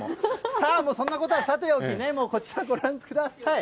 さあそんなことはさておきね、こちらご覧ください。